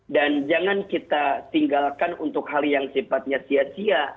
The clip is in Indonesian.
dan jangan kita tinggalkan untuk hal yang sifatnya sia sia